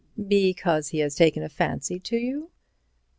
"Because he has taken a fancy to you?"